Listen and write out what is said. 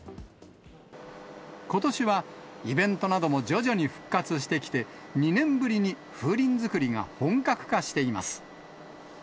ことしはイベントなども徐々に復活してきて、２年ぶりに風鈴作りが本格化しています。